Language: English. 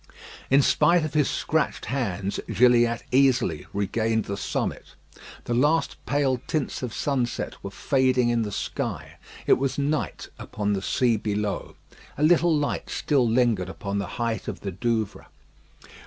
In spite of his scratched hands, Gilliatt easily regained the summit. The last pale tints of sunset were fading in the sky. It was night upon the sea below. A little light still lingered upon the height of the Douvre.